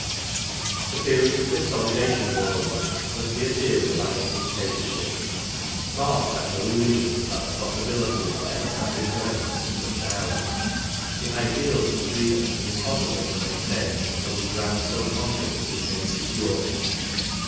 The period of consolidation, moreover, must be a period of iron dictatorship. Marx had no illusions about the possibility of a democratic governance in such an hour. The ideals of freedom were impossible to maintain until the ground so conquered had been made secure.